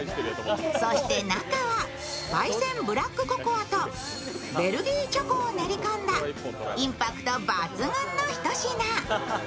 そして中は、ばい煎ブラックココアとベルギーチョコを練り込んだインパクト抜群のひと品。